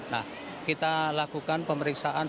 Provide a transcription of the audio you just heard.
nah kita lakukan pemeriksaan